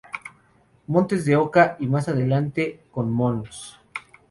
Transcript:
Montes de Oca y más adelante con Mons.